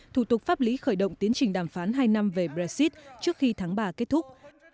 thủ tục pháp lý khởi động tiến trình đàm phán hai năm về brexit trước khi tháng ba kết thúc